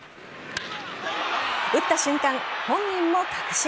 打った瞬間、本人も確信。